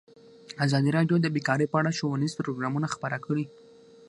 ازادي راډیو د بیکاري په اړه ښوونیز پروګرامونه خپاره کړي.